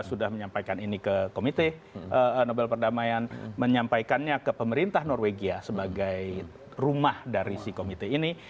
sudah menyampaikan ini ke komite nobel perdamaian menyampaikannya ke pemerintah norwegia sebagai rumah dari si komite ini